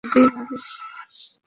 জি, ভাবি।